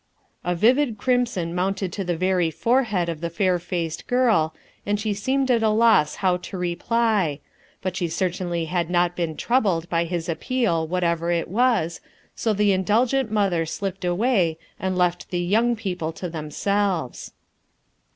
A vivid crimson mounted to the very forehead of thc fair faced girl, and she seemed at a loss how to reply ; but she certainly liad not been troubled by his appeal whatever it was, so the 37G RUTH ERSKIXE'S SOX indulgent mother dipped away and left *fc young people to themselves.